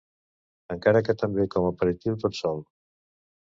Encara que també com aperitiu tot sol.